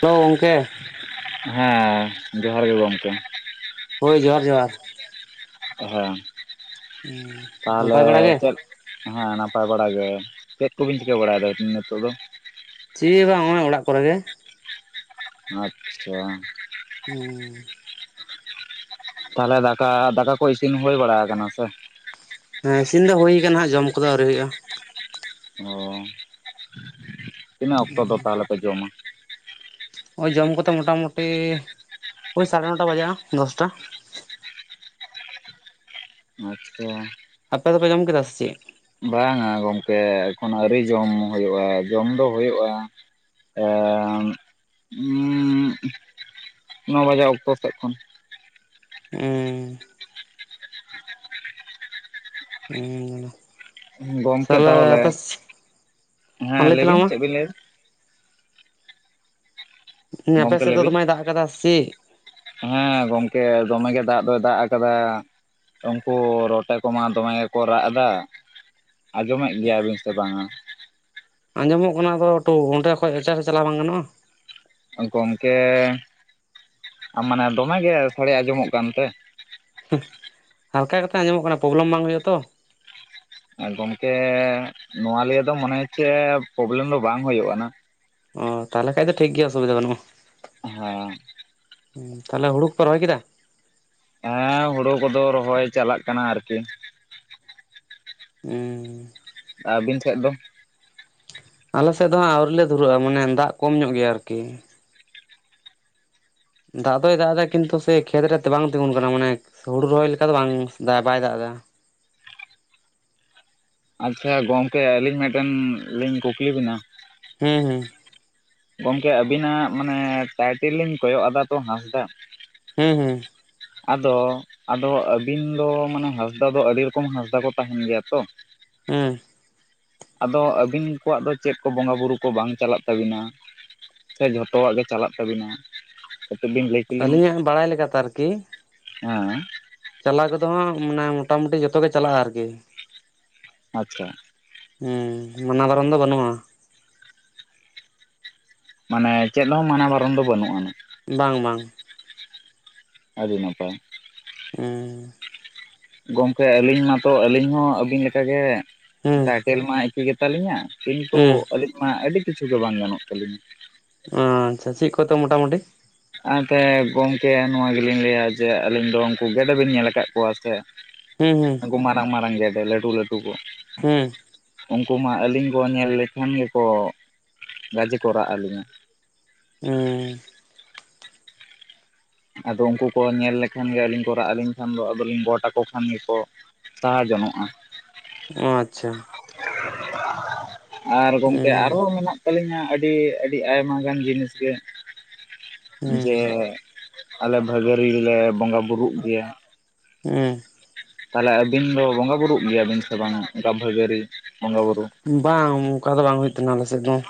Hello ᱜᱚᱝᱠᱮ᱾ ᱦᱮᱸ ᱡᱚᱸᱦᱟᱨ ᱜᱮ ᱜᱚᱢᱠᱮ᱾ ᱦᱳᱭ ᱡᱚᱦᱟᱨ ᱡᱚᱦᱟᱨ ᱦᱮᱸ ᱛᱟᱦᱚᱞᱮ ᱱᱟᱯᱟᱭ ᱵᱟᱲᱟ ᱜᱮ ᱪᱮᱫ ᱦᱮᱸ ᱱᱟᱯᱟᱭ ᱵᱟᱲᱟ ᱜᱮ᱾ ᱪᱮᱫ ᱠᱚᱵᱤᱱ ᱪᱤᱠᱟᱹ ᱵᱟᱲᱟᱭᱫᱟ ᱱᱤᱛᱚᱜ ᱫᱚ? ᱪᱤ ᱦᱚᱸ ᱵᱟᱝ ᱦᱚᱸᱜᱼᱚᱱᱟ ᱚᱲᱟᱜ ᱠᱚᱨᱮ ᱜᱮ᱾ ᱟᱪᱪᱷᱟ᱾ ᱦᱩᱸ᱾ ᱛᱟᱦᱚᱞᱮ ᱫᱟᱠᱟ ᱫᱟᱠᱟ ᱠᱚ ᱤᱥᱤᱱ ᱦᱩᱭ ᱵᱟᱲᱟ ᱠᱟᱱᱟ ᱥᱮ? ᱦᱮᱸ ᱤᱥᱤᱱ ᱫᱚ ᱦᱩᱭ ᱠᱟᱱᱟ ᱦᱟᱸᱜ ᱡᱚᱢ ᱠᱚᱫᱚ ᱟᱹᱣᱨᱤ ᱦᱩᱭᱩᱜᱼᱟ᱾ ᱚ ᱛᱤᱱᱟᱹᱜ ᱚᱠᱛᱚ ᱫᱚ ᱛᱟᱦᱚᱞᱮ ᱯᱮ ᱡᱚᱢᱟ? ᱳᱭ ᱡᱚᱢ ᱠᱚᱛᱮ ᱢᱚᱴᱟᱢᱩᱴᱤ ᱳᱭ ᱥᱟᱲᱮ ᱱᱚᱴᱟ ᱵᱟᱡᱟᱜᱼᱟ ᱫᱚᱥᱴᱟ᱾ ᱟᱪᱪᱷᱟ᱾ ᱟᱯᱮ ᱫᱚᱯᱮ ᱡᱚᱢ ᱠᱮᱫᱟ ᱥᱮ ᱪᱮᱫ? ᱵᱟᱝᱟ ᱜᱚᱢᱠᱮ ᱮᱠᱷᱚᱱ ᱟᱹᱣᱨᱤ ᱡᱚᱢ ᱦᱳᱭᱳᱜᱼᱟ ᱡᱚᱢ ᱫᱚ ᱦᱳᱭᱳᱜᱼᱟ᱾ ᱮᱜᱸ ᱩᱜᱸ ᱱᱚ ᱵᱟᱡᱟᱜ ᱚᱠᱛᱚ ᱥᱮᱫ ᱠᱷᱚᱱ᱾ ᱩᱸᱜᱼᱼ ᱦᱩᱸ᱾ ᱪᱮᱫ ᱜᱚᱢᱠᱮ ᱛᱟᱦᱚᱞᱮ, ᱟᱯᱮ ᱦᱮᱸ ᱞᱟᱹᱭ ᱛᱟᱞᱟᱝ ᱵᱤᱱ ᱢᱟ ᱪᱮᱫ ᱵᱤᱱ ᱞᱟᱹᱭᱫᱟ? ᱩᱸ ᱟᱯᱮ ᱜᱚᱢᱠᱮ ᱥᱮᱫ ᱞᱟᱹᱭ ᱫᱚ ᱵᱤᱱ ᱫᱚᱢᱮᱭ ᱫᱟᱜ ᱠᱟᱫᱟᱼᱥᱤ? ᱦᱮᱸ ᱜᱚᱢᱠᱮ ᱫᱚᱢᱮ ᱜᱮ ᱫᱟᱜ ᱫᱚᱭ ᱫᱟᱜ ᱟᱠᱟᱫᱟ᱾ ᱩᱱᱠᱩ ᱨᱚᱴᱮ ᱠᱚᱢᱟ ᱫᱚᱢᱮ ᱜᱮᱠᱚ ᱨᱟᱜ ᱮᱫᱟ᱾ ᱟᱸᱡᱚᱢᱮᱜ ᱜᱮᱭᱟᱵᱤᱱ ᱥᱮ ᱵᱟᱝᱟ? ᱟᱸᱡᱚᱢᱚᱜ ᱠᱟᱱᱟ ᱟᱫᱚ, ᱴᱩ ᱚᱸᱰᱮ ᱠᱷᱚᱡ ᱮᱪᱟᱜᱨᱮ‌ ᱪᱟᱞᱟᱣ ᱵᱟᱝ ᱜᱟᱱᱚᱜᱼᱟ? ᱜᱚᱢᱠᱮ ᱟᱼᱢᱟᱱᱮ ᱫᱚᱢᱮᱜᱮ ᱥᱟᱰᱮ ᱟᱸᱡᱚᱢᱚᱜ ᱠᱟᱱᱛᱮ? ᱦᱩᱸ ᱦᱟᱞᱠᱟ ᱠᱟᱛᱮ ᱟᱸᱡᱚᱢᱚᱜ ᱠᱟᱱᱟ ᱯᱨᱚᱵᱞᱮᱢ ᱵᱟᱝ ᱦᱩᱭᱩᱜᱼᱟ ᱛᱚ? ᱜᱚᱢᱠᱮ ᱱᱚᱣᱟ ᱞᱤᱭᱮ ᱫᱚ ᱢᱚᱱᱮ ᱦᱚᱪᱪᱷᱮ ᱯᱨᱚᱵᱞᱮᱢ ᱫᱚ ᱵᱟᱝ ᱦᱳᱭᱳᱜ-ᱟ ᱱᱟ᱾ ᱚ ᱛᱟᱦᱚᱞᱮ ᱠᱷᱟᱡ ᱫᱚ ᱴᱷᱤᱠ ᱜᱮᱭᱟ ᱚᱥᱩᱵᱤᱫᱷᱟ ᱵᱟᱹᱱᱩᱜᱼᱟ᱾ ᱦᱚᱸ᱾ ᱩᱸ ᱛᱟᱦᱞᱮ ᱦᱩᱲᱩ ᱠᱚᱯᱮ ᱨᱚᱦᱚᱭ ᱠᱮᱫᱟ? ᱦᱮᱸ ᱦᱩᱲᱩ ᱠᱚᱫᱚ ᱨᱚᱦᱚᱭ ᱪᱟᱞᱟᱜ ᱠᱟᱱᱟ ᱟᱨᱠᱤ᱾ ᱩᱸ᱾ ᱟᱹᱵᱤᱱ ᱴᱷᱮᱡ ᱫᱚ? ᱟᱞᱮᱥᱮᱫ ᱫᱚ ᱦᱟᱸᱜ ᱟᱹᱣᱨᱤ ᱞᱮ ᱫᱷᱩᱨᱟᱹᱜᱼᱟ ᱢᱟᱱᱮ ᱫᱟᱜ ᱠᱚᱢ ᱧᱚᱜ ᱜᱮᱭᱟ ᱟᱨᱠᱤ᱾ ᱚ [unintelligible] ᱫᱟᱜ ᱫᱚᱭ ᱫᱟᱜᱫᱟᱭ ᱠᱤᱱᱛᱩ ᱥᱮ ᱠᱷᱮᱛ ᱨᱮ ᱛᱮ ᱵᱟᱝ ᱛᱤᱜᱩᱱ ᱠᱟᱱᱟ ᱢᱟᱱᱮ ᱦᱩᱲᱩ ᱨᱚᱦᱚᱭ ᱞᱮᱠᱟ ᱫᱚ ᱵᱟᱝ ᱫᱟ ᱵᱟᱭ ᱫᱟᱜᱼᱫᱟ᱾ ᱟᱪᱪᱷᱟ ᱜᱚᱢᱠᱮ ᱟᱹᱞᱤᱧ ᱢᱤᱫᱴᱮᱱ ᱞᱤᱧ ᱠᱩᱠᱞᱤ ᱵᱤᱱᱟ? ᱦᱩᱸ ᱦᱩᱸ᱾ ᱜᱚᱢᱠᱮ ᱟᱵᱤᱱᱟᱜ ᱢᱟᱱᱮ ᱴᱟᱭᱴᱮᱞ ᱞᱤᱧ ᱠᱚᱭᱚᱜ ᱟᱫᱟ ᱛᱚ ᱦᱟᱸᱥᱫᱟᱜ ᱦᱩᱸ ᱦᱩᱸ᱾ ᱟᱫᱚ ᱟᱫᱚ ᱟᱹᱵᱤᱱ ᱫᱚ ᱢᱟᱱᱮ ᱦᱟᱸᱥᱫᱟ ᱫᱚ ᱟᱹᱰᱤ ᱨᱚᱠᱚᱢ ᱦᱟᱸᱥᱫᱟ ᱠᱚ ᱛᱟᱦᱮᱱ ᱜᱮᱭᱟ ᱛᱚ? ᱦᱩᱸ᱾ ᱟᱫᱚ ᱟᱹᱵᱤᱱ ᱠᱚᱣᱟᱜ ᱫᱚ ᱪᱮᱫ ᱠᱚ ᱵᱚᱸᱜᱟ ᱵᱩᱨᱩ ᱠᱚ ᱵᱟᱝ ᱪᱟᱞᱟᱜ ᱛᱟᱹᱵᱤᱱᱟ? ᱥᱮ ᱡᱷᱚᱛᱚᱣᱟᱜ ᱜᱮ ᱪᱟᱞᱟᱜ ᱛᱟᱹᱵᱤᱱᱟ ᱠᱟᱹᱴᱤᱡ ᱵᱤᱱ ᱞᱟᱹᱭᱼᱼ ᱟᱹᱞᱤᱧᱟᱜ ᱵᱟᱲᱟᱭ ᱞᱮᱠᱟᱛᱮ ᱟᱨᱠᱤᱼᱼ ᱦᱮᱸ᱾ ᱪᱟᱞᱟᱣ ᱠᱚᱫᱚ ᱦᱟᱸᱜ ᱢᱟᱱᱮ ᱢᱚᱴᱟ ᱢᱩᱴᱤ ᱡᱷᱚᱛᱚ ᱜᱮ ᱪᱟᱞᱟᱜᱼᱟ ᱟᱨᱠᱤ᱾ ᱟᱪᱪᱷᱟ᱾ ᱦᱩᱸ ᱢᱟᱱᱟ ᱵᱟᱨᱚᱱ ᱫᱚ ᱵᱟᱹᱱᱩᱜᱼᱟ᱾ ᱢᱟᱱᱮ ᱪᱮᱫ ᱦᱚᱸ ᱢᱟᱱᱟ ᱵᱟᱨᱚᱱ ᱫᱚ ᱵᱟᱹᱱᱩᱜ ᱟᱱᱟ᱾ ᱵᱟᱝ ᱵᱟᱝ᱾ ᱟᱰᱤ ᱱᱟᱯᱟᱭ᱾ ᱩᱸᱼᱼ ᱜᱚᱝᱠᱮ ᱟᱹᱞᱤᱧ ᱢᱟᱛᱚ ᱟᱹᱞᱤᱧ ᱦᱚᱸ ᱟᱹᱵᱤᱱ ᱞᱮᱠᱟᱜᱮ ᱦᱩᱸ ᱴᱟᱭᱴᱮᱞ ᱢᱟ ᱮᱠᱤ ᱜᱮ ᱛᱟᱞᱤᱧᱟ᱾ ᱠᱤᱱᱛᱩ ᱦᱩᱸ ᱟᱹᱞᱤᱧ ᱢᱟ ᱟᱹᱰᱤ ᱠᱤᱪᱷᱩ ᱜᱮ ᱵᱟᱝ ᱜᱟᱱᱚᱜ ᱛᱟᱹᱞᱤᱧᱟ ᱾ ᱟᱪᱪᱷᱟ ᱪᱮᱫ ᱠᱚᱛᱚ ᱢᱳᱴᱟᱢᱩᱴᱤ? ᱟᱼᱛᱮ ᱜᱚᱢᱠᱮ ᱱᱚᱣᱟ ᱜᱮᱞᱤᱧ ᱞᱟᱹᱭᱟ ᱡᱮ ᱟᱹᱞᱤᱧ ᱫᱚ ᱩᱱᱠᱩ ᱜᱮᱰᱮ ᱵᱤᱱ ᱧᱮᱞ ᱟᱠᱟᱫ ᱠᱚᱣᱟ ᱥᱮ? ᱦᱩᱸ ᱦᱩᱸ ᱾ ᱩᱱᱠᱩ ᱢᱟᱨᱟᱝ ᱢᱟᱨᱟᱝ ᱜᱮᱰᱮ ᱞᱟᱹᱴᱩ ᱞᱟᱹᱴᱩ ᱠᱚ? ᱦᱩᱸ᱾ ᱩᱱᱠᱩ ᱢᱟ ᱟᱹᱞᱤᱧ ᱠᱚ ᱧᱮᱞ ᱞᱮᱠᱷᱟᱱ ᱜᱮᱠᱚ ᱜᱟᱡᱮ ᱠᱚ ᱨᱟᱜ ᱟᱹᱞᱤᱧᱟ᱾ ᱩᱸ ᱾ ᱟᱫᱚ ᱩᱱᱠᱩ ᱠᱚ ᱧᱮᱞ ᱞᱮᱠᱷᱟᱱ ᱜᱮ ᱟᱹᱞᱤᱧ ᱠᱚ ᱨᱟᱜ ᱟᱹᱞᱤᱧ ᱠᱷᱟᱱ ᱫᱚ ᱟᱫᱚᱞᱤᱧ ᱜᱚᱴ ᱟᱠᱚ ᱠᱷᱟᱱ ᱜᱮᱠᱚ ᱛᱟᱦᱟ ᱡᱚᱱᱚᱜᱼᱟ ᱾ ᱚᱻ ᱟᱪᱷᱟ ᱾ ᱟᱨ ᱜᱚᱝᱠᱮ ᱦᱩᱸ ᱟᱨᱦᱚᱸ ᱢᱮᱱᱟᱜ ᱠᱚ ᱟᱹᱞᱤᱧᱟᱜ ᱟᱹᱰᱤ ᱟᱹᱰᱤ ᱟᱭᱢᱟ ᱜᱟᱱ ᱡᱤᱱᱤᱥ ᱜᱮ ᱾ ᱦᱩᱸ ᱡᱮ ᱟᱞᱮ ᱵᱷᱟᱹᱜᱟᱹᱲᱤ ᱨᱮᱞᱮ ᱵᱚᱸᱜᱟ ᱵᱩᱨᱩᱜ ᱜᱮᱭᱟ ᱾ ᱦᱮᱸ ᱾ ᱛᱟᱦᱚᱞᱮ ᱟᱹᱵᱤᱱ ᱫᱚ ᱵᱚᱸᱜᱟ ᱵᱩᱨᱩᱜ ᱜᱮᱭᱟ ᱵᱤᱱ ᱥᱮ ᱵᱟᱝᱟ ᱚᱱᱠᱟ ᱵᱷᱟᱹᱜᱟᱹᱨᱤ ᱵᱚᱸᱜᱟ ᱵᱩᱨᱩ? ᱵᱟᱝ ᱚᱱᱠᱟ ᱫᱚ ᱵᱟᱝ ᱦᱩᱭᱩᱜ ᱛᱟᱦᱮᱱᱟ ᱟᱞᱮ ᱥᱮᱫ ᱫᱚ ᱾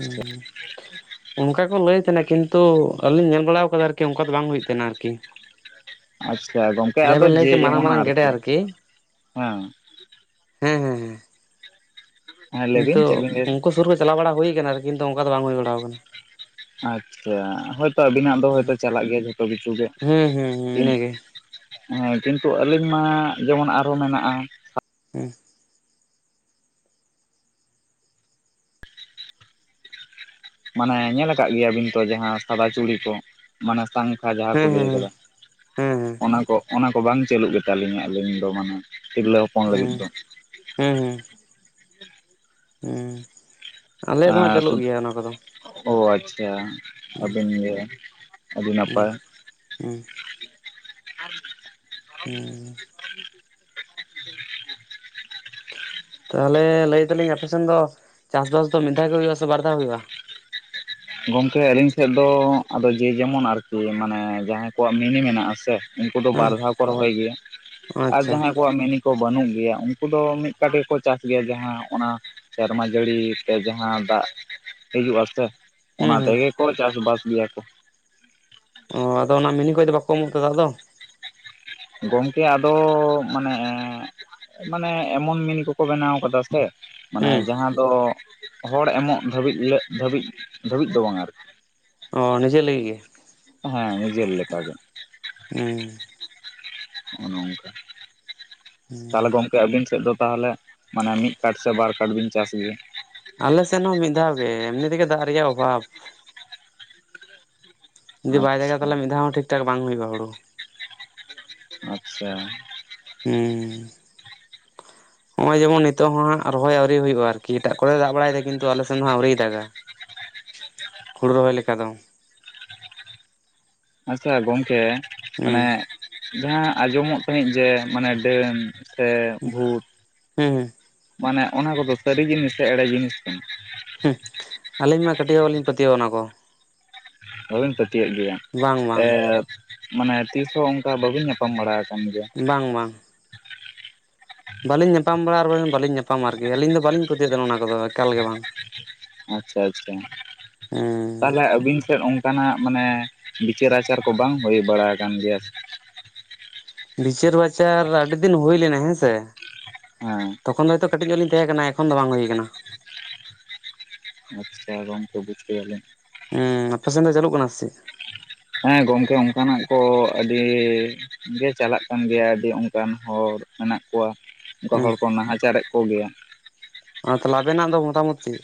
ᱦᱩᱸ ᱾ ᱚᱱᱠᱟ ᱠᱚ ᱞᱟᱹᱭ ᱛᱟᱦᱮᱱᱟ ᱠᱤᱱᱛᱩ ᱟᱹᱞᱤᱧ ᱧᱮᱞ ᱵᱟᱲᱟ ᱟᱠᱟᱫᱟ ᱟᱨᱠᱤ ᱚᱱᱠᱟ ᱫᱚ ᱵᱟᱝ ᱦᱩᱭᱴᱩᱜ ᱛᱟᱦᱮᱱᱟ ᱟᱨᱠᱤ ᱾ ᱟᱪᱪᱷᱟ ᱜᱚᱝᱠᱮ ᱡᱟᱦᱟᱸᱭ ᱟᱫᱚ ᱵᱮᱱ ᱞᱟᱹᱭ ᱡᱮ ᱠᱮᱜ ᱢᱟᱨᱟᱝ ᱡᱮᱢᱚᱱ ᱢᱟᱨᱟᱝ ᱜᱮᱰᱮ ᱟᱨᱠᱤ ᱾ ᱦᱮᱸ ᱦᱮᱸ ᱦᱮᱸ ᱦᱮᱸ ᱾ ᱦᱮᱸ ᱞᱟᱹᱭᱵᱤᱱ ᱠᱤᱱᱛᱩ ᱪᱮᱫ ᱵᱤᱱ ᱞᱟᱹᱭᱫᱟ ᱩᱱᱠᱩ ᱥᱩᱨ ᱠᱚ ᱪᱟᱞᱟᱣ ᱵᱟᱲᱟ ᱦᱩᱭ ᱟᱠᱟᱱᱟ ᱟᱨ ᱠᱤᱱᱛᱩ ᱚᱱᱠᱟ ᱫᱚ ᱵᱟᱝ ᱦᱩᱭ ᱵᱟᱲᱟᱣ ᱟᱠᱟᱱᱟ ᱾ ᱟᱪᱷᱟ ᱦᱳᱭᱛᱳ ᱟᱵᱤᱱᱟᱜ ᱫᱚ ᱦᱮᱸ ᱦᱳᱭᱛᱳ ᱪᱟᱞᱟᱜ ᱜᱮᱭᱟ ᱡᱷᱚᱛᱚ ᱠᱤᱪᱷᱩ ᱜᱮ ᱦᱮᱸ ᱦᱮᱸ ᱤᱱ ᱤᱱᱟᱹᱜᱮ ᱦᱮᱸ ᱠᱤᱱᱛᱩ ᱟᱹᱞᱤᱧ ᱢᱟ ᱡᱮᱢᱚᱱ ᱟᱨᱦᱚᱸ ᱢᱮᱱᱟᱜᱼᱟ ᱾ ᱦᱮᱸ ᱾ ᱢᱟᱱᱮ ᱧᱮᱞ ᱟᱠᱟᱫ ᱜᱮᱭᱟ ᱵᱤᱱ ᱛᱚ ᱡᱟᱦᱟᱸ ᱥᱟᱫᱟ ᱪᱩᱲᱤ ᱠᱚ ᱢᱟᱱᱮ ᱥᱟᱱ ᱠᱷᱟ ᱡᱟᱦᱟᱸ ᱠᱚ ᱦᱮᱸ ᱞᱟᱹᱭ ᱦᱮᱸ ᱦᱮᱸ ᱟᱠᱟᱫᱟ ᱦᱮᱸ ᱚᱱᱟ ᱠᱚ ᱚᱱᱟ ᱵᱟᱝ ᱪᱟᱹᱞᱩᱜ ᱜᱮᱛᱟᱞᱤᱧᱟ ᱟᱹᱞᱤᱧ ᱫᱚ ᱢᱟᱱᱮ ᱛᱤᱨᱞᱟᱹ ᱦᱚᱯᱚᱱ ᱞᱟᱹᱜᱤᱫ ᱫᱚ ᱦᱮᱸ ᱦᱮᱸ ᱦᱮᱸ ᱾ ᱦᱩᱸ ᱾ ᱟᱻ ᱛᱚ ᱚ-ᱟᱪᱷᱟ ᱾ ᱟᱹᱵᱤᱱ ᱤᱭᱟᱹ ᱟᱹᱰᱤ ᱱᱟᱯᱟᱭ ᱦᱮᱸ ᱾ ᱦᱮᱸ ᱾ ᱦᱩᱸ ᱾ ᱛᱟᱦᱚᱞᱮ ᱞᱟᱹᱭ ᱮᱫᱟᱞᱤᱧ ᱟᱯᱮᱥᱮᱱ ᱫᱚ ᱪᱟᱥᱵᱟᱥ ᱫᱚ ᱢᱤᱫ ᱫᱷᱟᱣ ᱜᱮ ᱦᱩᱭᱩᱜᱼᱟ ᱥᱮ ᱵᱟᱨ ᱫᱷᱟᱣ ᱦᱩᱭᱩᱜᱼᱟ? ᱜᱚᱝᱠᱮ ᱟᱞᱤᱧ ᱥᱮᱫ ᱫᱚ ᱟᱫᱚ ᱡᱮ ᱡᱮᱢᱚᱱ ᱟᱨᱠᱤ ᱢᱟᱱᱮ ᱡᱟᱦᱟᱸᱭ ᱠᱚᱣᱟᱜ ᱢᱤᱱᱤ ᱢᱮᱱᱟᱜ ᱟᱥᱮ ᱩᱱᱠᱩ ᱫᱚ ᱦᱮᱸ ᱵᱟᱨ ᱫᱷᱟᱣ ᱠᱚ ᱨᱚᱦᱚᱭ ᱜᱮᱭᱟ᱾ ᱟᱨ ᱟᱪᱪᱷᱟ ᱡᱟᱦᱟᱸᱭ ᱟᱠᱩᱣᱟᱜ ᱢᱤᱱᱤ ᱠᱚ ᱵᱟᱹᱱᱩᱜ ᱜᱮᱭᱟ ᱩᱱᱠᱩ ᱫᱚ ᱢᱤᱫ ᱠᱟᱴᱤ ᱜᱮᱠᱚ ᱪᱟᱥ ᱜᱮᱭᱟ ᱡᱟᱦᱟᱸ ᱚᱱᱟ ᱥᱮᱨᱢᱟ ᱡᱟᱹᱲᱤ ᱛᱮ ᱡᱟᱦᱟᱸ ᱫᱟᱜ ᱦᱤᱡᱩᱜᱼᱟ ᱥᱮ ᱾ ᱦᱩᱸ ᱚᱱᱟ ᱦᱩᱸ ᱛᱮᱜᱮ ᱠᱚ ᱪᱟᱥᱵᱟᱥ ᱜᱮᱭᱟ ᱠᱚ ᱾ ᱚᱻ ᱟᱫᱚ ᱚᱱᱟ ᱢᱤᱱᱤ ᱠᱷᱚᱡ ᱫᱚ ᱵᱟᱠᱚ ᱮᱢᱚᱜ ᱛᱮ ᱫᱟᱜ ᱫᱚ? ᱜᱚᱝᱠᱮ ᱟᱫᱚ ᱢᱟᱱᱮ, ᱢᱟᱱᱮ ᱮᱢᱚᱱ ᱢᱤᱱᱤ ᱠᱚᱠᱚ ᱵᱮᱱᱟᱣ ᱠᱟᱫᱟ ᱥᱮ ᱢᱟᱱᱮ ᱦᱮᱸ ᱡᱟᱦᱟᱸ ᱫᱚ ᱦᱚᱲ ᱮᱢᱚᱜ ᱫᱷᱟᱹᱵᱤᱡ ᱠᱩᱞᱟᱹᱜ ᱫᱷᱟᱹᱵᱤᱡ ᱫᱚ ᱵᱟᱝ ᱟᱨᱠᱤ ᱾ ᱚᱻ ᱱᱤᱡᱮ ᱞᱟᱹᱜᱤᱫ ᱜᱮ? ᱦᱮᱸ ᱱᱤᱡᱮᱨ ᱞᱮᱠᱟᱜᱮ ᱾ [unintelligible] ᱦᱚᱸ-ᱚ ᱱᱚᱝᱠᱟ ᱛᱟᱦᱚᱞᱮ ᱜᱚᱢ ᱟᱹᱵᱤᱱ ᱥᱮᱫ ᱫᱚ ᱛᱟᱦᱚᱞᱮ ᱢᱟᱱᱮ ᱢᱤᱫ ᱠᱟᱴ ᱥᱮ ᱵᱟᱨ ᱠᱟᱴ ᱵᱤᱱ ᱪᱟᱥ ᱜᱮᱭᱟ? ᱟᱞᱮᱥᱮᱫ ᱦᱚᱸ ᱢᱤᱫ ᱫᱷᱟᱣ ᱜᱮ ᱮᱢᱱᱤ ᱛᱮᱜᱮ ᱫᱟᱜ ᱨᱮᱭᱟᱜ ᱚᱵᱷᱟᱵᱽ ᱾ ᱡᱩᱫᱤ ᱵᱟᱭ ᱫᱟᱜᱟ ᱟᱪᱪᱷᱟ ᱛᱟᱦᱞᱮ ᱢᱤᱫ ᱫᱷᱟᱣ ᱦᱚᱸ ᱴᱷᱤᱠ ᱴᱷᱟᱠ ᱵᱟᱝ ᱦᱩᱭᱩᱜᱼᱟ ᱦᱩᱲᱩ ᱾ ᱟᱪᱪᱷᱟ ᱾ ᱦᱮᱸ [inaudible] ᱱᱚᱜ-ᱚᱭ ᱡᱮᱢᱚᱱ ᱱᱤᱛᱚᱜ ᱦᱚᱸ ᱦᱟᱸᱜ ᱨᱚᱦᱚᱭ ᱟᱣᱨᱤ ᱦᱩᱭᱩᱜᱼᱟ ᱟᱨᱠᱤ ᱮᱴᱟᱜ ᱠᱚᱨᱮ ᱫᱟᱜ ᱵᱟᱲᱟᱭ ᱫᱟᱭ ᱠᱤᱱᱛᱩ ᱟᱞᱮ ᱥᱮᱱ ᱫᱚ ᱦᱟᱸᱜ ᱟᱹᱣᱨᱤᱭ ᱫᱟᱜᱟ ᱾ [inaudible] ᱦᱩᱲᱩ ᱨᱚᱦᱚᱭ ᱞᱮᱠᱟ ᱫᱚ ᱾ ᱟᱪᱪᱷᱟ ᱜᱚᱢᱠᱮ ᱦᱮᱸ ᱢᱟᱱᱮ ᱡᱟᱦᱟᱸ ᱟᱸᱡᱚᱢᱚᱜ ᱛᱟᱦᱮᱸᱫ ᱡᱮ ᱢᱟᱱᱮ ᱰᱟᱹᱱ ᱥᱮ ᱵᱷᱩᱛ ᱦᱮᱸ ᱢᱟᱱᱮ ᱚᱱᱟ ᱠᱚᱫᱚ ᱥᱟᱹᱨᱤ ᱡᱤᱱᱤᱥ ᱥᱮ ᱮᱲᱮ ᱡᱤᱱᱤᱥ ᱠᱟᱱᱟ? ᱦᱩᱸ ᱟᱹᱞᱤᱧ ᱢᱟ ᱠᱟᱹᱴᱤᱡ ᱦᱚᱸᱵᱟᱞᱤᱧ ᱯᱟᱹᱛᱭᱟᱹᱣ ᱚᱱᱟ ᱠᱚ ᱾ ᱵᱟᱹᱵᱤᱱ ᱯᱟᱹᱛᱭᱟᱹᱜ ᱜᱮᱭᱟ, ᱵᱟᱝ ᱮ ᱵᱟᱝ ᱢᱟᱱᱮ ᱛᱤᱥ ᱦᱚᱸ ᱚᱱᱠᱟ ᱵᱟᱹᱵᱤᱱ ᱧᱟᱯᱟᱢ ᱵᱟᱲᱟ ᱟᱠᱟᱱ ᱜᱮᱭᱟ᱾ ᱵᱟᱝ ᱵᱟᱝ᱾ ᱵᱟᱹᱞᱤᱧ ᱧᱟᱯᱟᱢ ᱵᱟᱲᱟ ᱟᱨ ᱵᱟᱹᱞᱤᱧ ᱧᱟᱯᱟᱢ ᱟᱨᱠᱤ ᱾ᱟᱹᱞᱤᱧ ᱫᱚ ᱵᱟᱹᱞᱤᱧ ᱯᱟᱹᱛᱭᱟᱹᱣ ᱛᱟᱦᱮ ᱚᱱᱟ ᱠᱚᱫᱚ ᱮᱠᱟᱞ ᱜᱮ ᱵᱟᱝ᱾ ᱟᱪᱪᱷᱟ ᱟᱪᱪᱷᱟ, ᱦᱮᱸ ᱛᱟᱦᱞᱮ ᱟᱹᱵᱤᱱ ᱴᱮᱫ ᱚᱝᱼᱼ ᱠᱟᱱᱟᱜ ᱢᱟᱱᱮ, ᱵᱤᱪᱟᱹᱨ ᱟᱪᱟᱨ ᱠᱚ ᱵᱟᱝ ᱦᱩᱭ ᱵᱟᱲᱟ ᱟᱠᱟᱱ ᱜᱮᱭᱟ ᱥᱮᱼᱼ ᱵᱤᱪᱟᱹᱨ ᱵᱟᱪᱟᱨ ᱟᱹᱰᱤ ᱫᱤᱱ ᱦᱩᱭ ᱞᱮᱱᱟ ᱦᱮᱸᱥᱮ, ᱦᱮᱸ ᱛᱚᱠᱷᱚᱱ ᱫᱚ ᱦᱚᱭᱛᱳᱼᱼ ᱠᱟᱹᱴᱤᱡ ᱧᱚᱜ ᱞᱤᱧ ᱛᱟᱦᱮᱸ ᱠᱟᱱᱟ᱾ ᱮᱠᱷᱚᱱ ᱫᱚ ᱵᱟᱝ ᱦᱩᱭ ᱟᱠᱟᱱᱟ᱾ ᱥᱮ ᱜᱚᱝᱠᱮ ᱵᱩᱡ ᱠᱮᱭᱟ ᱞᱮᱧ᱾ ᱩᱸ ᱟᱯᱮ ᱥᱮᱱ ᱫᱚ ᱪᱟᱹᱞᱩᱜ ᱠᱟᱱᱟ ᱥᱮ ᱪᱮᱫ? ᱦᱮᱸ ᱜᱚᱝᱠᱮ ᱚᱱᱠᱟᱱᱟᱜ ᱠᱚ ᱟᱹᱰᱤᱼᱼ ᱜᱮ ᱪᱟᱞᱟᱜ ᱠᱟᱱ ᱜᱮᱭᱟ, ᱟᱹᱰᱤ ᱚᱱᱠᱟᱱ ᱦᱚᱲ ᱢᱮᱱᱟᱜ ᱠᱚᱣᱟ᱾ ᱚᱱᱠᱟ ᱦᱚᱲ ᱦᱮᱸ ᱠᱚ ᱱᱟᱦᱟᱪᱟᱨᱮᱫ ᱠᱚ ᱜᱮᱭᱟ᱾ ᱟᱨ ᱛᱟᱦᱞᱮ ᱟᱵᱮᱱᱟᱜ ᱫᱚ ᱢᱚᱛᱟᱢᱚᱛ ᱪᱮᱜ?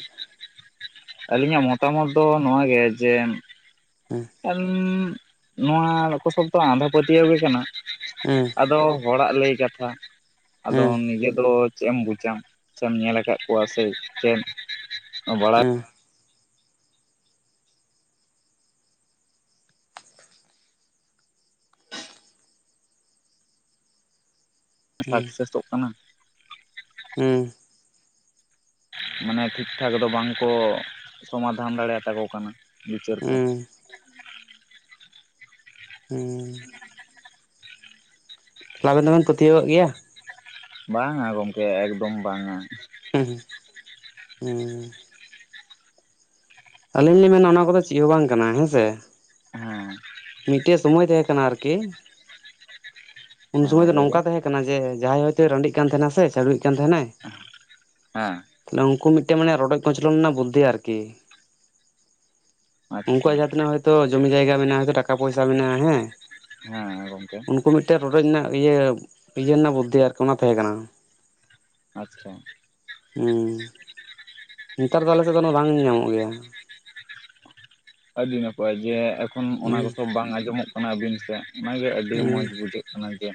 ᱟᱹᱞᱤᱧᱟᱜ ᱢᱚᱛᱟᱢᱚᱛ ᱫᱚ ᱱᱚᱣᱟᱜᱮ ᱡᱮ ᱦᱮᱸ᱾ [unintelligible] ᱱᱚᱣᱟ ᱠᱚᱥᱚᱞ ᱫᱚ ᱟᱸᱫᱷᱟ ᱯᱟᱹᱛᱭᱟᱹᱣ ᱜᱮ ᱠᱟᱱᱟ᱾ ᱦᱮᱸ ᱟᱫᱚ ᱦᱚᱲᱟᱜ ᱞᱟᱹᱭ ᱠᱟᱛᱷᱟ ᱟᱫᱚ ᱦᱮᱸ ᱱᱤᱡᱮ ᱫᱚ ᱪᱮᱜ ᱮᱢ ᱵᱩᱡᱟ ᱥᱮᱢ ᱧᱮᱞ ᱟᱠᱟᱜ ᱠᱚᱣᱟ ᱥᱮ ᱪᱮᱫ ᱟᱵᱟᱼᱼ [unintelligible] ᱥᱟᱠᱥᱮᱥᱚᱜ ᱠᱟᱱᱟ᱾ ᱦᱩᱸ᱾ ᱢᱟᱱᱮ ᱴᱷᱤᱠ ᱴᱷᱟᱠ ᱫᱚ ᱵᱟᱝᱠᱚ ᱥᱚᱢᱟᱫᱷᱟᱱ ᱫᱟᱲᱮᱭᱟ ᱛᱟᱠᱚ ᱠᱟᱱᱟ ᱵᱤᱪᱟᱹᱨ ᱠᱚ᱾ ᱦᱮᱸ ᱦᱩᱸ᱾ ᱛᱟᱦᱚᱞᱮ ᱟᱵᱮᱱ ᱫᱚᱵᱮᱱ ᱯᱟᱹᱛᱭᱟᱹᱣᱟᱜ ᱜᱮᱭᱟ᱾ ᱵᱟᱝᱼᱟ ᱜᱚᱝᱠᱮ ᱮᱠᱫᱚᱢ ᱵᱟᱝᱼᱟ᱾ ᱦᱚᱸ ᱦᱩᱸ᱾ ᱟᱹᱞᱤᱧ ᱞᱤᱧ ᱢᱮᱱᱟ ᱚᱱᱟ ᱠᱚᱫᱚ ᱪᱮᱜ ᱦᱚᱸ ᱵᱟᱝ ᱠᱟᱱᱟ ᱦᱮᱸᱥᱮ ᱦᱮᱸ ᱢᱤᱫᱴᱮᱡ ᱥᱚᱢᱚᱭ ᱛᱟᱦᱮᱸ ᱠᱟᱱᱟ ᱟᱨᱠᱤ ᱩᱱ ᱦᱮᱸ ᱥᱩᱢᱚᱭ ᱫᱚ ᱱᱚᱝᱠᱟ ᱞᱟᱹᱭᱵᱮᱱ ᱛᱟᱦᱮᱸ ᱠᱟᱱᱟ ᱡᱮ, ᱡᱟᱦᱟᱸᱭ ᱦᱚᱭᱛᱳ ᱨᱟᱸᱰᱤᱜ ᱠᱟᱱ ᱛᱟᱦᱮᱸᱱᱟ ᱥᱮ ᱪᱟᱰᱭᱤᱜ ᱠᱟᱱ ᱛᱟᱦᱮᱱᱟᱭ ᱾ ᱦᱮᱸ᱾ ᱱᱩᱝᱠᱩ ᱢᱤᱫᱴᱮᱱ ᱢᱟᱱᱮ ᱨᱚᱰᱚᱡ ᱠᱚᱪᱚᱞᱚᱱ ᱨᱮᱱᱟᱜ ᱵᱩᱫᱽᱫᱷᱤ ᱟᱨᱠᱤ᱾ ᱟᱪᱪᱷᱟ ᱩᱱᱠᱩᱣᱟᱜ ᱡᱟᱦᱟᱸ ᱛᱤᱱᱟᱹᱜ ᱦᱚᱭᱛᱳ ᱡᱚᱢᱤ ᱡᱟᱭᱜᱟ ᱢᱮᱱᱟᱜᱼᱟ, ᱴᱟᱠᱟ ᱯᱚᱭᱥᱟ ᱢᱮᱱᱟᱜᱼᱟ ᱦᱮᱸᱼᱼ ᱦᱮᱸ ᱜᱚᱝᱠᱮ᱾ ᱩᱱᱠᱩ ᱢᱤᱫᱴᱟᱹ ᱨᱚᱰᱚᱡ ᱨᱮᱱᱟᱜ ᱤᱭᱟᱹ, ᱤᱭᱟᱹ ᱨᱮᱱᱟᱜ ᱵᱩᱫᱽᱫᱷᱤ ᱟᱨ ᱠᱤ ᱚᱱᱟ ᱛᱟᱸᱦᱮ ᱠᱟᱱᱟ᱾ ᱟᱪᱷᱟ᱾ ᱦᱩᱸ, ᱱᱮᱛᱟᱨ ᱫᱚ ᱟᱞᱮ ᱥᱮᱫ ᱫᱚ ᱵᱟᱝ ᱧᱟᱢᱚᱜ ᱜᱮᱭᱟ᱾ ᱟᱹᱰᱤ ᱱᱟᱯᱟᱭ, ᱡᱮ ᱮᱠᱷᱚᱱ ᱚᱱᱟ ᱠᱚ ᱦᱩᱸ ᱥᱚ ᱵᱟᱝ ᱟᱸᱡᱚᱢᱚᱜ ᱠᱟᱱᱟ ᱟᱹᱵᱤᱱ ᱥᱮᱜ ᱚᱱᱟᱜᱮ ᱟᱹᱰᱤ ᱢᱚᱸᱡᱽ ᱦᱩᱸ ᱵᱩᱡᱷᱟᱹᱜ ᱠᱟᱱᱟ ᱡᱮᱼᱼ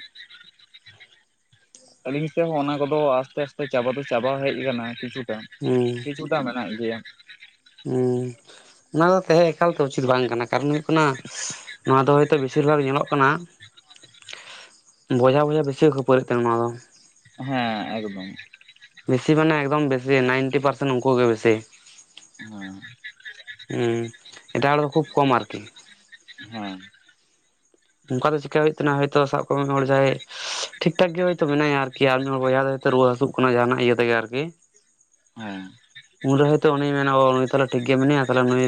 ᱟᱹᱞᱤᱧ ᱥᱮᱫ ᱦᱚᱸ ᱚᱱᱟ ᱠᱚᱫᱚ ᱟᱥᱛᱮ ᱟᱥᱛᱮ ᱪᱟᱵᱟ ᱫᱚ ᱪᱟᱵᱟ ᱦᱮᱡ ᱟᱠᱟᱱᱟ ᱠᱤᱪᱷᱩᱴᱟ ᱦᱩᱸ ᱠᱤᱪᱷᱼᱼ ᱫᱚ ᱢᱮᱱᱟᱜ ᱜᱮᱭᱟ᱾ ᱦᱩᱸ ᱚᱱᱟ ᱫᱚ ᱛᱟᱦᱮᱸ ᱮᱠᱟᱞᱛᱮ ᱩᱪᱤᱛ ᱵᱟᱝ ᱠᱟᱱᱟ᱾ ᱠᱟᱨᱚᱱ ᱦᱩᱭᱩ ᱠᱟᱱᱟ, ᱱᱚᱣᱟ ᱫᱚ ᱦᱚᱭᱛᱳ ᱵᱮᱥᱤᱨ ᱵᱷᱟᱜᱽ ᱧᱮᱞᱚᱜ ᱠᱟᱱᱟ᱾ [unintelligible] ᱵᱚᱭᱦᱟ ᱵᱚᱭᱦᱟ ᱵᱤᱥᱮ ᱠᱷᱟᱹᱯᱟᱹᱨᱤ ᱠᱟᱱ ᱱᱚᱣᱟ ᱫᱚ᱾ ᱦᱮᱸ ᱮᱠᱫᱚᱢ᱾ ᱵᱮᱥᱤ ᱢᱟᱱᱮ ᱮᱠᱫᱚᱢ ᱵᱮᱥᱤ ᱱᱟᱭᱤᱱᱴᱤ ᱯᱟᱨᱥᱮᱱ ᱩᱱᱠᱩ ᱜᱮ ᱵᱮᱥᱤ᱾ ᱦᱮᱸ ᱦᱩᱸ ᱮᱴᱟᱜ ᱦᱚᱲ ᱫᱚ ᱠᱷᱩᱵ ᱠᱚᱢ ᱟᱨ ᱠᱤ ᱦᱚᱸ ᱚᱱᱠᱟ ᱫᱚ ᱪᱤᱠᱟ ᱦᱩᱭᱩᱜ ᱛᱟᱦᱮ ᱱᱟ ᱦᱚᱭ ᱛᱚ ᱥᱟᱵ ᱠᱟᱜ ᱢᱮ ᱢᱤᱫ ᱦᱚᱲ ᱡᱟᱦᱟᱸᱭᱼᱼ ᱴᱷᱤᱠ ᱴᱷᱟᱠ ᱜᱮ ᱦᱳᱭᱛᱳ ᱢᱮᱱᱟᱭᱟ ᱟᱨᱠᱤ ᱟᱨ ᱢᱤᱫ ᱦᱚᱲ ᱵᱚᱭᱦᱟ ᱫᱚᱭᱳ ᱨᱩᱣᱟᱹ ᱦᱟᱹᱥᱩᱜ ᱠᱟᱱᱟ ᱡᱟᱦᱟᱱᱟᱜ ᱤᱭᱟᱹ ᱛᱮᱜᱮ ᱟᱨᱠᱤ᱾ [unintelligible] ᱩᱱᱨᱮ ᱦᱚᱭᱛᱚ ᱩᱱᱤᱭ ᱢᱮᱱᱟ ᱚ ᱩᱱᱤ ᱛᱟᱦᱮ ᱴᱷᱤᱠ ᱜᱮ ᱢᱮᱱᱟᱭᱟ ᱛᱟᱦᱮ ᱱᱩᱭ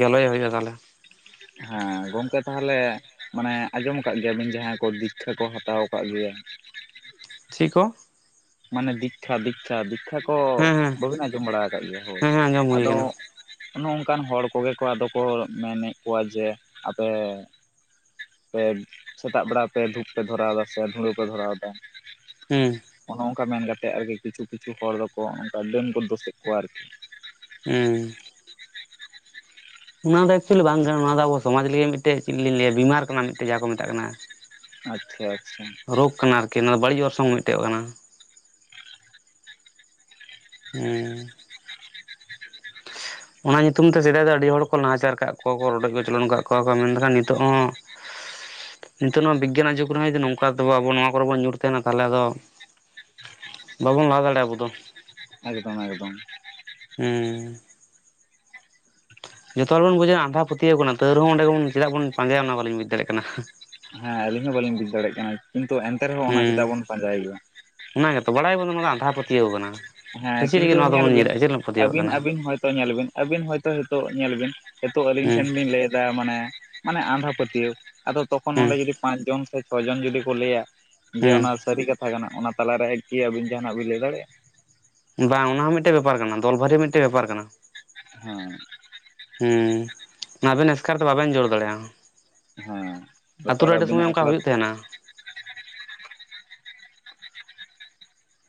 ᱜᱮᱞᱮᱭ ᱦᱩᱭᱩᱜᱼᱟ ᱛᱟᱦᱮ ᱾ ᱜᱚᱢᱠᱮ ᱛᱟᱦᱚᱞᱮ ᱢᱟᱱᱮ ᱟᱸᱡᱚᱢ ᱠᱟᱜ ᱜᱮᱭᱟ ᱵᱤᱱ ᱡᱟᱦᱟᱸᱭ ᱠᱚ ᱫᱤᱠᱷᱟ ᱠᱚ ᱦᱟᱛᱟᱣ ᱠᱟᱜ ᱜᱮᱭᱟ ᱪᱮᱜ ᱠᱚ ᱢᱟᱱᱮ ᱫᱤᱠᱷᱟ ᱫᱤᱠᱷᱟ ᱫᱤᱠᱷᱟ ᱠᱚ ᱦᱮᱸ ᱦᱮᱸ ᱵᱟᱹᱵᱤᱱ ᱟᱸᱡᱚᱢ ᱵᱟᱲᱟ ᱟᱠᱟᱜ ᱜᱮᱭᱟ ᱦᱚᱭ ᱦᱮᱸ ᱦᱮᱸ ᱟᱸᱡᱚᱢ ᱦᱩᱭ ᱟᱫᱚ ᱟᱠᱟᱱᱟ ᱚᱱᱚ ᱚᱱᱠᱟᱱ ᱦᱚᱲ ᱠᱚᱜᱮ ᱠᱚ ᱟᱫᱚ ᱠᱚ ᱢᱮᱱᱮᱜ ᱠᱚᱣᱟ ᱡᱮ ᱟᱯᱮ ᱯᱮ ᱥᱮᱛᱟᱜ ᱵᱮᱲᱟ ᱯᱮ ᱫᱷᱩᱯ ᱯᱮ ᱫᱷᱚᱨᱟᱣ ᱫᱟ ᱥᱮ ᱫᱷᱩᱲᱟᱹᱣ ᱯᱮ ᱫᱷᱚᱨᱟᱣ ᱫᱟ ᱦᱩᱸ ᱚᱱᱮ ᱚᱱᱠᱟ ᱢᱮᱱ ᱠᱟᱛᱮᱫ ᱟᱨ ᱠᱤ ᱠᱤᱪᱷᱩ ᱠᱤᱪᱷᱩ ᱦᱚᱲ ᱫᱚ ᱠᱚ ᱚᱱᱠᱟ ᱰᱟᱹᱱ ᱠᱚ ᱫᱚᱥᱮᱜ ᱠᱚᱣᱟ ᱟᱨ ᱠᱤ ᱦᱩᱸ ᱚᱱᱟ ᱫᱚ ᱮᱠᱪᱩᱭᱮᱞᱤ ᱵᱟᱝ ᱠᱟᱱᱟ ᱱᱚᱣᱟ ᱫᱚ ᱟᱵᱚ ᱥᱚᱢᱟᱡᱽ ᱞᱟᱹᱜᱤᱫ ᱢᱤᱫᱴᱮᱱ ᱪᱮᱫ ᱞᱤᱧ ᱞᱟᱹᱭᱟ ᱵᱤᱢᱟᱨ ᱠᱟᱱᱟ ᱢᱤᱫᱴᱮᱱ ᱡᱟ ᱠᱚ ᱢᱮᱛᱟᱜ ᱠᱟᱱᱟ ᱾ ᱟᱪᱷᱟ ᱟᱪᱷᱟ ᱨᱚᱜᱽ ᱠᱟᱱᱟ ᱟᱨ ᱠᱤ ᱚᱱᱟ ᱫᱚ ᱵᱟᱲᱤᱡ ᱚᱨᱥᱚᱝ ᱢᱤᱫᱴᱮᱡ ᱠᱟᱱᱟ ᱦᱩᱸ ᱚᱱᱟ ᱧᱩᱛᱩᱢ ᱛᱮ ᱥᱮᱫᱟᱭ ᱫᱚ ᱟᱹᱰᱤ ᱦᱚᱲ ᱠᱚ ᱱᱟᱦᱟᱪᱟᱨ ᱠᱟᱜ ᱠᱚᱠᱚ ᱨᱚᱰᱚᱡ ᱠᱚᱪᱚᱞᱚᱱ ᱟᱠᱟᱫ ᱠᱚᱣᱟ ᱠᱚ, ᱢᱮᱱᱠᱷᱟᱱ ᱱᱤᱛᱚᱜ ᱦᱚᱸ [unintelligible] ᱱᱤᱛᱚᱜ ᱱᱚᱣᱟ ᱵᱤᱜᱟᱱᱟᱜ ᱡᱩᱜᱽ ᱨᱮᱦᱚᱸ ᱡᱩᱫᱤ ᱱᱚᱝᱠᱟ ᱟᱵᱚ ᱱᱚᱣᱟ ᱠᱚᱨᱮ ᱵᱚᱱ ᱧᱩᱨ ᱛᱟᱦᱮᱱᱟ᱾ ᱛᱟᱦᱚᱞᱮ ᱟᱫᱚ ᱵᱟᱵᱚᱱ ᱞᱟᱦᱟ ᱫᱟᱲᱮᱭᱟᱜᱼᱟ ᱟᱵᱚ ᱫᱚ᱾ ᱮᱠᱫᱚᱢ ᱮᱠᱫᱚᱢ ᱦᱩᱸ ᱡᱚᱛᱚ ᱦᱚᱲ ᱵᱚᱱ ᱵᱩᱡᱷᱟᱹᱜᱼᱟ, ᱟᱫᱷᱟ ᱯᱟᱛᱭᱟᱣ ᱠᱟᱱᱟ ᱛᱟᱶ ᱨᱮᱦᱚᱸ ᱚᱸᱰᱮᱜᱮᱢ ᱪᱮᱫᱟᱜ ᱵᱚᱱ ᱯᱟᱸᱜᱟᱭᱟ, ᱚᱱᱟ ᱵᱟᱞᱤᱧ ᱵᱩᱡᱽ ᱫᱟᱲᱭᱟᱜ ᱠᱟᱱᱟ ᱦᱮᱸ ᱟᱹᱞᱤᱧ ᱦᱚᱸ ᱵᱟᱹᱞᱤᱧ ᱵᱩᱡ ᱫᱟᱲᱮᱭᱟᱜ ᱠᱟᱱᱟ, ᱠᱤᱱᱛᱩ ᱮᱱᱛᱮ ᱨᱮᱦᱚᱸ ᱚᱱᱟ ᱦᱩᱸ ᱪᱮᱫᱟᱜ ᱵᱚᱱ ᱯᱟᱸᱡᱟᱭ ᱜᱮᱭᱟ ᱚᱱᱟ ᱜᱮᱛᱚ ᱵᱟᱲᱟᱭ ᱟᱵᱚᱱ ᱚᱱᱟ ᱫᱚ ᱟᱸᱫᱷᱟ ᱯᱟᱹᱛᱤᱭᱟᱹᱣ ᱟᱠᱟᱱᱟ ᱦᱮᱸ ᱠᱤᱱᱛᱩ ᱧᱮᱞ ᱵᱤᱱ? ᱟᱹᱵᱤᱱ ᱠᱟᱱᱟ ᱟᱹᱵᱤᱱ ᱦᱚᱭᱛᱚ ᱧᱮᱞ ᱵᱤᱱ ᱟᱵᱤᱱ ᱦᱚᱭᱛᱚ ᱦᱤᱛᱚᱜ ᱧᱮᱞ ᱵᱤᱱ ᱱᱤᱛᱚᱜ ᱟᱞᱤᱧ ᱦᱩᱸ ᱴᱷᱮᱱ ᱵᱤᱱ ᱞᱟᱹᱭ ᱢᱟᱱᱮ ᱢᱟᱱᱮ ᱟᱸᱫᱷᱟ ᱯᱟᱹᱛᱭᱟᱹᱣ ᱟᱫᱚ ᱛᱚᱠᱷᱚᱱ ᱚᱸᱰᱮ ᱦᱩᱸ ᱡᱩᱫᱤ ᱯᱟᱸᱪ ᱡᱚᱱ ᱥᱮ ᱪᱷᱚ ᱡᱚᱱ ᱡᱩᱫᱤ ᱠᱚ ᱞᱟᱹᱭᱟ ᱾ ᱡᱮ ᱚᱱᱟ ᱦᱩᱸ ᱥᱟᱹᱨᱤ ᱠᱟᱛᱷᱟ ᱠᱟᱱᱟ ᱚᱱᱟ ᱛᱟᱞᱟᱨᱮ ᱮᱠᱤ ᱟᱹᱵᱤᱱ ᱡᱟᱦᱟᱱᱟᱜ ᱵᱤᱱ ᱞᱟᱹᱭ ᱫᱟᱲᱮᱜ-ᱟ᱾ ᱵᱟᱝ ᱚᱱᱟ ᱦᱚᱸ ᱢᱤᱜᱴᱮᱜ ᱵᱮᱯᱟᱨ ᱠᱟᱱᱟ ᱫᱚᱞ ᱵᱷᱟᱨᱤ ᱢᱤᱜᱴᱮᱜ ᱵᱮᱯᱟᱨ ᱠᱟᱱᱟ᱾ ᱦᱚᱸᱭ᱾ ᱦᱩᱸ ᱢᱟᱵᱮᱱ ᱮᱥᱠᱟᱨ ᱫᱚ ᱵᱟᱵᱮᱱ ᱡᱳᱲ ᱫᱟᱲᱮᱜ-ᱟ᱾ ᱦᱮᱸ ᱟᱛᱳ ᱵᱮᱯᱟᱨ ᱨᱮ ᱟᱰᱤ ᱟᱹᱵᱤᱱᱟᱜ ᱥᱚᱢᱚᱭ ᱚᱱᱠᱟ ᱮᱠᱞᱟ ᱦᱩᱭᱩᱜ ᱛᱟᱦᱮᱱᱟ᱾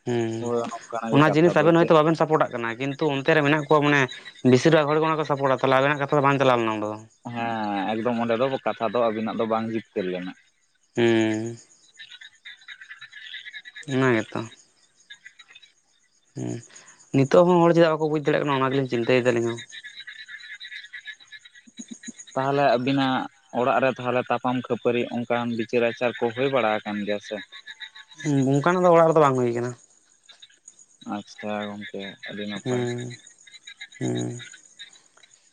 ᱦᱩᱸ ᱦᱳᱭ ᱱᱚᱝᱠᱟᱱᱟᱜ ᱜᱮ ᱚᱱᱟ ᱠᱟᱛᱷᱟ ᱡᱤᱱᱤᱥ ᱫᱚ ᱟᱵᱮᱱ ᱡᱮ ᱦᱚᱭᱛᱳ ᱵᱟᱵᱮᱱ ᱥᱟᱯᱚᱴᱟᱜ ᱠᱟᱱᱟ ᱠᱤᱱ ᱛᱩ ᱚᱱᱛᱮ ᱨᱮ ᱢᱮᱱᱟᱜ ᱠᱚᱣᱟ ᱢᱟᱱᱮ ᱵᱤᱥᱤᱨ ᱵᱷᱟᱜ ᱦᱚᱲ ᱠᱚ ᱚᱱᱟ ᱠᱚ ᱥᱟᱯᱚᱴᱟ ᱛᱟᱞᱦᱮ ᱟᱵᱮᱱᱟᱜ ᱠᱟᱛᱷᱟ ᱫᱚ ᱵᱟᱝ ᱪᱟᱞᱟᱣ ᱞᱮᱱᱟ ᱩᱱ ᱫᱚ᱾ ᱦᱮᱸ ᱮᱠᱫᱚᱢ ᱚᱸᱰᱮ ᱫᱚ ᱠᱟᱛᱷᱟ ᱫᱚ ᱟᱵᱤᱱᱟᱜ ᱫᱚ ᱵᱟᱝ ᱡᱤᱛᱠᱟᱹᱨ ᱞᱮᱱᱟ᱾ ᱦᱩᱸ᱾ ᱚᱱᱟ ᱜᱮᱛᱚ᱾ ᱦᱩᱸ ᱱᱤᱛᱚᱜ ᱦᱚᱸ ᱦᱚᱲ ᱪᱮᱫᱟᱜ ᱵᱟᱠᱚ ᱵᱩᱡᱽ ᱫᱟᱲᱮᱜ ᱠᱟᱱᱟ, ᱚᱱᱟ ᱜᱮᱞᱤᱧ ᱪᱤᱱᱛᱟᱹᱭᱫᱟ ᱟᱹᱞᱤᱧ ᱦᱚᱸ ᱾ ᱛᱟᱦᱞᱮ ᱟᱹᱵᱤᱱᱟᱜ᱾ ᱚᱲᱟᱜ ᱨᱮ ᱛᱟᱦᱞᱮ ᱛᱟᱯᱟᱢ ᱠᱷᱟᱹᱯᱟᱹᱨᱤ ᱚᱱᱠᱟᱱ ᱵᱤᱪᱟᱹᱨ ᱟᱪᱟᱨ ᱠᱚ ᱦᱳᱭ ᱵᱟᱲᱟ ᱟᱠᱟᱱ ᱜᱮᱭᱟ ᱥᱮ᱾ ᱦᱩᱸ ᱚᱱᱠᱟᱱᱟᱜ ᱫᱚ ᱚᱲᱟᱜ ᱨᱮᱫᱚ ᱵᱟᱝ ᱦᱩᱭ ᱠᱟᱱᱟ᱾ ᱟᱪᱪᱷᱟ ᱜᱚᱢᱠᱮ᱾ ᱦᱩᱸ᱾ ᱦᱩᱸ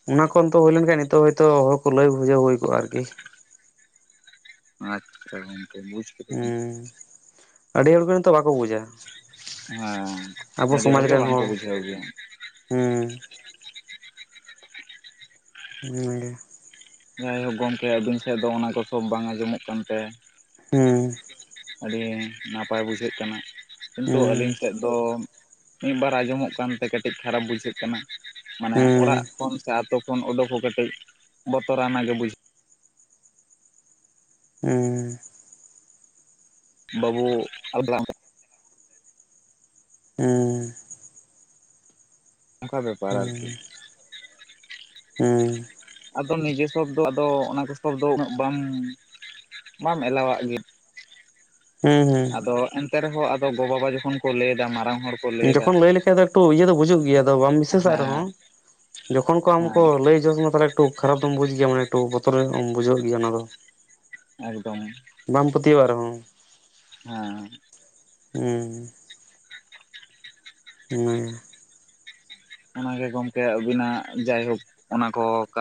ᱚᱱᱟ ᱠᱷᱚᱱ ᱛᱚ ᱦᱩᱭ ᱞᱮᱱᱠᱷᱟᱡ ᱱᱤᱛᱚᱜ ᱦᱳᱭᱛᱳ ᱦᱚᱲᱠᱚ ᱞᱟᱹᱭ ᱵᱩᱡᱷᱟᱹ ᱦᱩᱭ ᱠᱚᱜ-ᱟ ᱟᱨᱠᱤ᱾ ᱟᱪᱪᱷᱟ ᱜᱚᱢᱠᱮ ᱵᱩᱡᱽ᱾ ᱠᱮᱫᱟᱞᱤᱧ ᱩᱸ ᱟᱹᱰᱤ ᱦᱚᱲᱜᱮ ᱱᱤᱛᱚᱜ ᱵᱟᱠᱚ ᱵᱩᱡᱽ-ᱟ᱾ ᱦᱮᱸ ᱟᱹᱰᱤ ᱦᱚᱲ ᱜᱮ ᱵᱟᱝᱠᱚ ᱵᱩᱡᱷᱟᱹᱣ ᱜᱮᱭᱟ᱾ ᱦᱩᱸ᱾ ᱦᱩᱸ᱾ ᱦᱮᱸ ᱜᱚᱢᱠᱮ ᱟᱹᱵᱤᱱ ᱥᱮᱜ ᱫᱚ ᱚᱱᱟ ᱠᱚ ᱥᱚᱵᱽ ᱵᱟᱝ ᱟᱸᱡᱚᱢᱚᱜ ᱠᱟᱱᱛᱮ᱾ ᱦᱩᱸ᱾ ᱟᱹᱰᱤ ᱱᱟᱯᱟᱭ ᱵᱩᱡᱷᱟᱹᱜ ᱠᱟᱱᱟ ᱠᱤᱱᱛᱩ ᱦᱩᱸ ᱟᱞᱤᱧ ᱥᱮᱫ᱾ ᱫᱚ ᱢᱤᱜ ᱵᱟᱨ ᱟᱸᱡᱚᱢᱚᱜ ᱠᱟᱱᱛᱮ ᱠᱟᱹᱴᱤᱡ ᱠᱷᱟᱨᱟᱯ ᱵᱩᱡᱷᱟᱹᱜ ᱠᱟᱱᱟ᱾ ᱢᱟᱱᱮ ᱚᱲᱟᱜ ᱦᱩᱸ ᱠᱷᱚᱱ ᱥᱮ ᱟᱛᱳ ᱠᱷᱚᱱ ᱳᱰᱳᱠ ᱦᱚᱸ ᱠᱟᱹᱴᱤᱡ ᱵᱚᱛᱚᱨᱟᱱᱟ ᱜᱮ ᱵᱩᱡᱷ ᱩᱸ᱾ ᱵᱟᱹᱵᱩ᱾ [unintelligible] ᱩᱸ᱾ ᱚᱝᱠᱟ ᱵᱮᱯᱟᱨ ᱟᱨᱠᱤ᱾ ᱦᱮᱸ᱾ ᱟᱫᱚ ᱱᱤᱡᱮ ᱥᱚᱵ ᱫᱚ ᱟᱫᱚ ᱚᱱᱟ ᱠᱚ ᱥᱚᱵ ᱫᱚ ᱩᱱᱟᱹᱜ ᱵᱟᱢ ᱵᱟᱢ ᱮᱞᱟᱣᱟᱜ ᱜᱮᱭᱟ᱾ ᱦᱩᱸ ᱦᱩᱸ᱾ ᱟᱫᱚ ᱮᱱᱛᱮ ᱨᱮᱦᱚᱸ ᱟᱫᱚ ᱜᱚ ᱵᱟᱵᱟ ᱡᱚᱠᱷᱚᱱ ᱠᱚ ᱞᱟᱹᱭ ᱫᱟ ᱢᱟᱨᱟᱝ ᱦᱚᱲ᱾ ᱠᱚ ᱮᱫᱟ ᱡᱚᱠᱷᱚᱱ ᱞᱟᱹᱭ ᱞᱮᱠᱷᱟᱡ ᱫᱚ ᱮᱠᱴᱩ ᱤᱭᱟᱹ ᱫᱚ ᱵᱩᱡᱩᱜ ᱜᱮᱭᱟ ᱟᱫᱚ ᱵᱟᱢ ᱵᱤᱥᱟᱹᱥᱟᱜ ᱨᱮᱦᱚᱸ᱾ ᱦᱮᱸ ᱡᱚᱠᱷᱚᱱ ᱠᱚ ᱟᱢ ᱠᱚ ᱦᱮᱸ ᱞᱟᱹᱭ ᱡᱚᱥ ᱟᱢᱟ ᱛᱟᱦᱞᱮ᱾ ᱴᱩ ᱠᱷᱟᱨᱯ ᱮᱢ ᱵᱩᱡᱽ ᱜᱮᱭᱟ ᱢᱟᱱᱮ ᱮᱠᱴᱩ ᱵᱚᱛᱚᱨ ᱧᱚᱜ ᱮᱢ ᱵᱩᱡᱷᱟᱹᱣ ᱜᱮᱭᱟ ᱚᱱᱟ ᱫᱚ᱾ ᱮᱠᱫᱚᱢ᱾ ᱵᱟᱢ ᱯᱟᱹᱛᱭᱟᱹᱣᱟᱜ ᱨᱮᱦᱚᱸ᱾ ᱦᱮᱸ᱾ ᱩᱸ᱾ ᱦᱩᱸ᱾ ᱚᱱᱟᱜᱮ ᱜᱚᱢᱠᱮ ᱟᱹᱵᱤᱱᱟᱜ ᱡᱟᱭᱦᱳᱠ ᱚᱱᱟ ᱠᱚ ᱠᱟᱛ